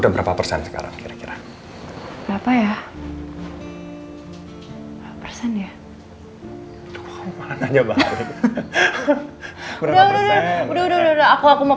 hai pakai persen segala sih kamu